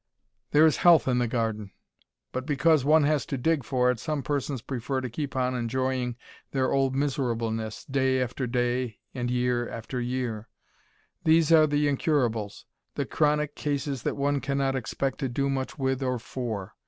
There is health in the garden. But because one has to dig for it some persons prefer to keep on enjoying their old miserableness day after day and year after year. These are the incurables the "chronic" cases that one cannot expect to do much with or for.